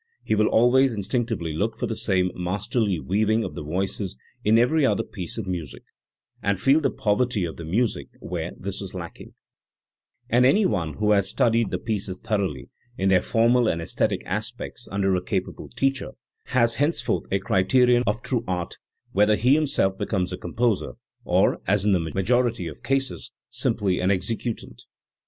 He will always in stinctively look for the same masterly weaving of the voices in every other piece of music, and feel the poverty of the music where this is lacking. And any one who has studied * Spitta II, 659, 660. Origin of the Well tempered Clavichord. 331 the pieces thoroughly, in their formal and aesthetic aspects, under a capable teacher, has henceforth a criterion of true art, whether he himself becomes a composer or, as in the majority of cases, simply an executant.